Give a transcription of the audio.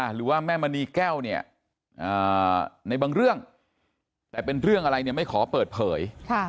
หรือว่าแม่มณีแก้วเนี่ยในบางเรื่องแต่เป็นเรื่องอะไรเนี่ยไม่ขอเปิดเผย